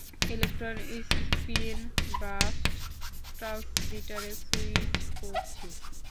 Electron spin burst ট্রান্সমিটারে switch করছি।